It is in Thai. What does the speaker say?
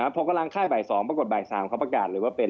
พอกำลังค่ายบ่าย๒ปรากฏบ่าย๓เขาประกาศเลยว่าเป็น